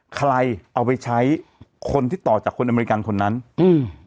ใครเอาไปใช้คนที่ต่อจากคนอเมริกันคนนั้นอืม